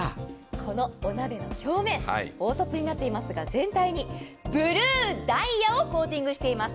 このお鍋の表面、凹凸になっていますが、全体にブルーダイヤをコーティングしています。